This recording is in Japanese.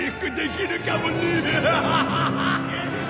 ウハハハハ！